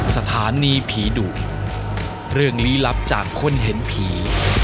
สถานีผีดุเรื่องลี้ลับจากคนเห็นผี